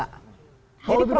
jadi protein yang dibanyakin